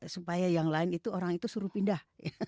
supaya yang lain itu orang itu suruh pindah